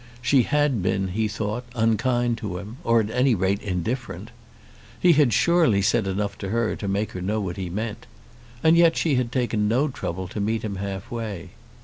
She had been, he thought, unkind to him, or at any rate indifferent. He had surely said enough to her to make her know what he meant; and yet she had taken no trouble to meet him half way.